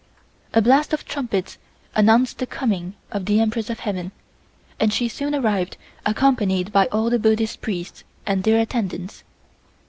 A blast of trumpets announced the coming of the Empress of Heaven and she soon arrived accompanied by all the Buddhist Priests and their attendants.